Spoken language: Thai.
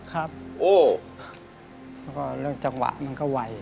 แล้วก็เรื่องจังหวะมันก็ไหว